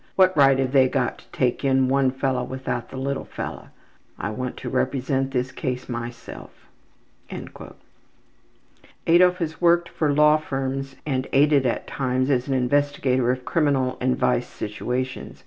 What right have they got to take in one fellow without the little fellow?' I want to represent this case myself.'' Adolf has worked for law firms and aided at times as an investigator of criminal and vice situations.